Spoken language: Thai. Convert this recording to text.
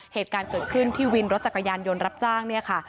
เหตุการณ์เกิดขึ้นที่วินรถจักรยานยนต์รับจ้างเนี่ยค่ะ